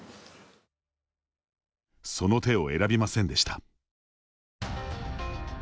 その手を選びませんでした。